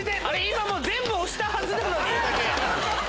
今もう全部押したはずなのに。